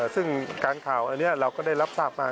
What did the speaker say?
ซึ่งการข่าวอันนี้เราก็ได้รับทราบมา